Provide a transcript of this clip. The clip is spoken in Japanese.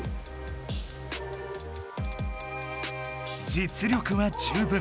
実力は十分。